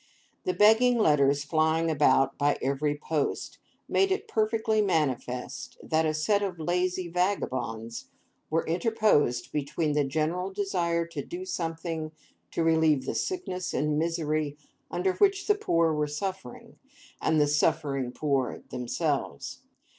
The begging letters flying about by every post, made it perfectly manifest that a set of lazy vagabonds were interposed between the general desire to do something to relieve the sickness and misery under which the poor were suffering, and the suffering poor themselves.